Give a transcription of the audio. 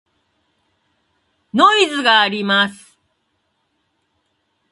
ノイズがあります。